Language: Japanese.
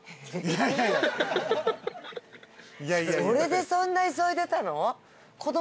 それでそんな急いでたの？